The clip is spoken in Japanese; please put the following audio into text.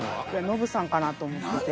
ノブさんかなと思ってて。